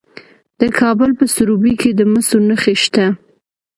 د کابل په سروبي کې د مسو نښې شته.